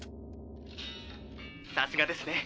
ピッさすがですね。